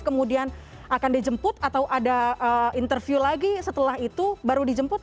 kemudian akan dijemput atau ada interview lagi setelah itu baru dijemput